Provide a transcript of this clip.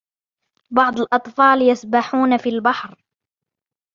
بعض الأطفال يسبحون في البحر